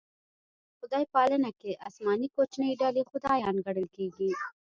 خدای پالنه کې اسماني کوچنۍ ډلې خدایان ګڼل کېږي.